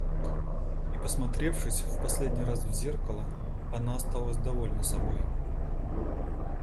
И, посмотревшись в последний раз в зеркало, она осталась довольна собой.